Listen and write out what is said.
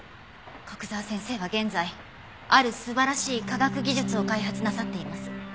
古久沢先生は現在ある素晴らしい科学技術を開発なさっています。